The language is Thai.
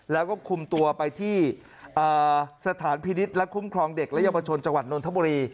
แล้วก็คุมตัวไปที่สถานพินิษฐ์และคุ้มครองเด็กและเยาวชนจังหวัดนทบุรี